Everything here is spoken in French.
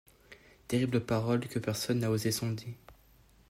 Terrible parole que personne n’a osé sonder.